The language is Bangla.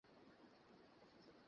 শুভ দুপুর, সবাইকে!